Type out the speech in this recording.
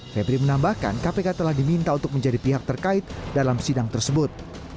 febri menambahkan kpk telah diminta untuk menjadi pihak terkait dalam sidang tersebut